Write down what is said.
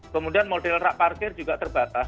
kemudian model rak parkir juga terbatas